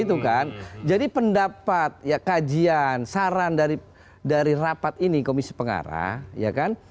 itu kan jadi pendapat ya kajian saran dari rapat ini komisi pengarah ya kan